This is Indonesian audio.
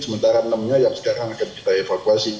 sementara enam nya yang sekarang akan kita evakuasi